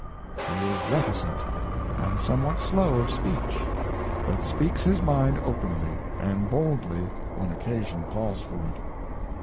He is reticent, and somewhat slow of speech, but speaks his mind openly and boldly when occasion calls for it.